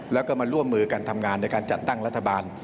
แล้วก็มาร่วมมือกันทำงานในการจัดตั้งรัฐบาล